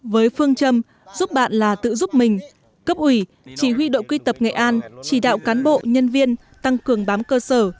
với phương châm giúp bạn là tự giúp mình cấp ủy chỉ huy đội quy tập nghệ an chỉ đạo cán bộ nhân viên tăng cường bám cơ sở